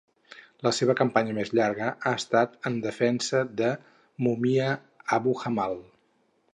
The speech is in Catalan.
La seva campanya més llarga ha estat en defensa de Mumia Abu-Jamal.